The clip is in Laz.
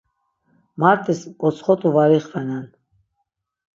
Mart̆is gotsxot̆u var ixvenen.